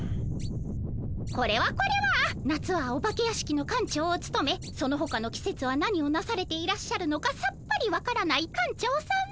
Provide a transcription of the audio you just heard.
これはこれは夏はお化け屋敷の館長をつとめそのほかのきせつは何をなされていらっしゃるのかさっぱりわからない館長さま。